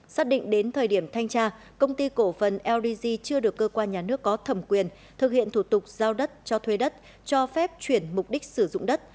xác định đến thời điểm thanh tra công ty cổ phần ldg chưa được cơ quan nhà nước có thẩm quyền thực hiện thủ tục giao đất cho thuê đất cho phép chuyển mục đích sử dụng đất